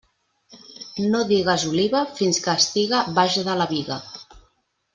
No digues oliva fins que estiga baix de la biga.